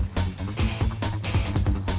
gak ada apa apa